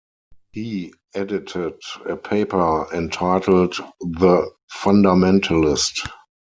He edited a paper entitled "The Fundamentalist".